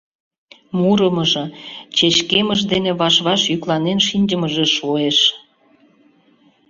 Мурымыжо, чечкемыш дене ваш-ваш йӱкланен шинчымыже шуэш.